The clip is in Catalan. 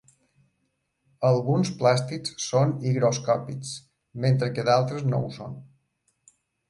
Alguns plàstics són higroscòpics, mentre que d'altres no ho són.